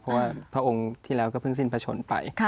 เพราะว่าพระองค์ที่แล้วก็เพิ่งสิ้นพระชนไป